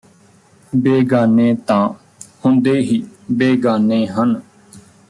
ਬੇਗਾਨੇ ਤਾਂ ਹੁੰਦੇ ਹੀ ਬੇਗਾਨੇ ਹਨ